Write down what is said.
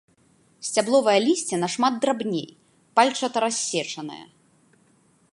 Сцябловае лісце нашмат драбней, пальчатарассечанае.